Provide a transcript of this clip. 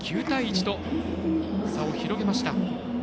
９対１と差を広げました。